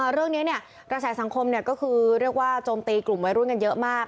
เรื่องนี้รัฐศาสนัยของคุณข้างคือเรียกว่าจมตีกลุ่มวัยรุ่นกันเยอะมาก